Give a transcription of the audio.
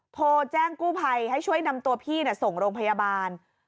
โทรแจ้งกู้ภัยให้ช่วยนำตัวพี่ส่งโรงพยาบาล